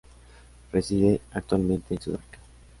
Reside actualmente en Sudáfrica.